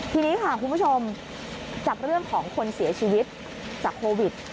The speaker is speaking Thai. ทีนี้ค่ะคุณผู้ชมจากเรื่องของคนเสียชีวิตจากโควิด